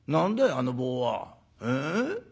あの棒は。ええ？